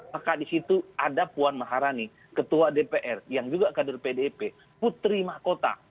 maka di situ ada puan maharani ketua dpr yang juga kader pdip putri mahkota